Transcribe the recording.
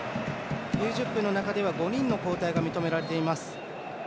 ９０分の中では５人の交代が認められています。